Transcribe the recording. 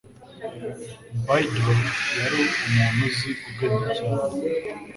Biddle yari umuntu uzi ubwenge cyane.